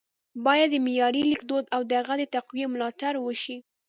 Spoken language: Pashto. ـ بايد د معیاري لیکدود او د هغه د تقويې ملاتړ وشي